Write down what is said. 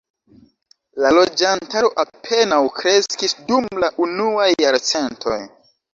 La loĝantaro apenaŭ kreskis dum la unuaj jarcentoj.